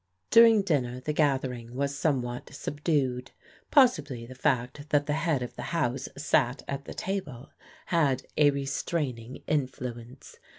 During dinner the gathering was somewhat subdued. Possibly the fact that the head of the house sat at the table had a restraining influence.